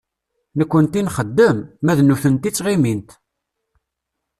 Nekkenti nxeddem, ma d nutenti ttɣimint.